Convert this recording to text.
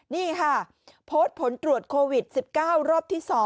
นี่ค่ะโพสต์ผลตรวจโควิด๑๙รอบที่๒